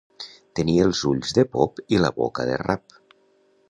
Tenir els ulls de pop i la boca de rap.